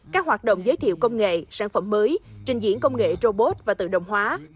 các hoạt động giới thiệu công nghệ sản phẩm mới trình diễn công nghệ robot và tự động hóa